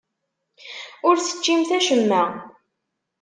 Ur teččimt acemma.